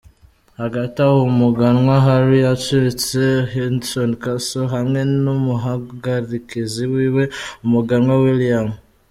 Hagataho umuganwa Harry yashitse Windsor Castle, hamwe n'umuhagarikizi wiwe umuganwa William.